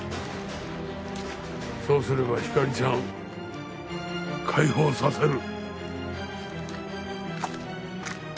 そうすればひかりちゃん解放させる。